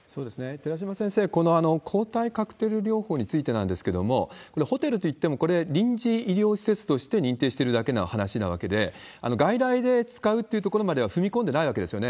寺嶋先生、この抗体カクテル療法についてなんですけれども、ホテルといっても、これ、臨時医療施設として認定しているだけの話なわけで、外来で使うというところまでは踏み込んでないわけですよね。